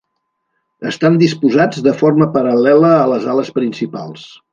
Estan disposats de forma paral·lela a les ales principals.